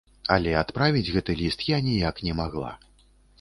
Але адправіць гэты ліст я ніяк не магла.